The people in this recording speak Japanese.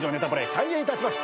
開演いたします。